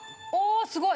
おすごい。